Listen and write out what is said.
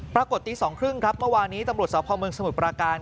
ตี๒๓๐ครับเมื่อวานี้ตำรวจสพเมืองสมุทรปราการ